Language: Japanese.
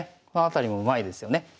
このあたりもうまいですよね。